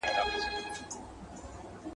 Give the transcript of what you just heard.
زه مخکي د لوبو لپاره وخت نيولی وو،